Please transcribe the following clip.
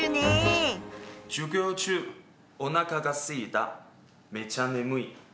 「授業中お腹がすいためちゃ眠い」。